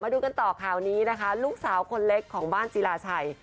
ดูกันต่อข่าวนี้นะคะลูกสาวคนเล็กของบ้านศิลาชัย